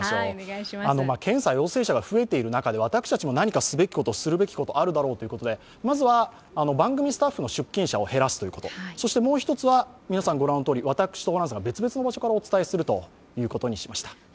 検査陽性者が増えている中で、私たちが何かするべきことあるだろうということで、まずは番組スタッフの出勤者を減らすということそしてもう一つは私とホランさんが別々の場所からお伝えすることになりました。